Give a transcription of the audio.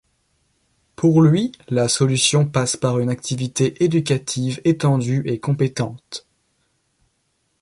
Pour lui, la solution passe par une activité éducative étendue et compétente.